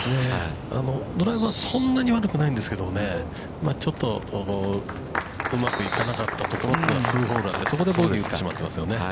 ◆ドライバーはそんなに悪くないんですけど、ちょっとうまくいかなかったところが数ホールあって、そこでボギーを打ってしまっていますよね。